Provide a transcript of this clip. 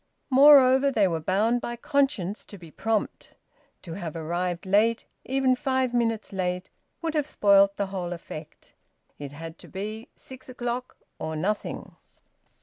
Moreover, they were bound by conscience to be prompt. To have arrived late, even five minutes late, would have spoilt the whole effect. It had to be six o'clock or nothing.